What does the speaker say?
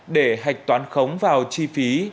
để hạch toán khống vào chi phí